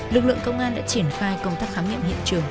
lực lượng công an đã triển khai công tác khám nghiệm hiện trường